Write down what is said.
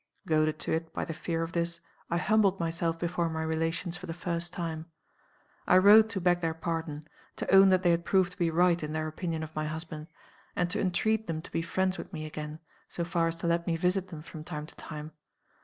"Goaded to it, by the fear of this, I humbled myself before my relations for the first time. I wrote to beg their pardon; to own that they had proved to be right in their opinion of my husband; and to entreat them to be friends with me again, so far as to let me visit them from time to time.